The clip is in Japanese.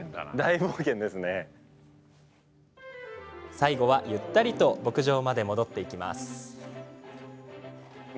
最後は、ゆったりと牧場まで戻っていきます。